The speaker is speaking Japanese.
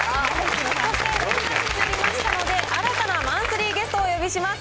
そして、６月になりましたので、新たなマンスリーゲストをお呼びします。